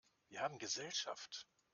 Wir haben Gesellschaft!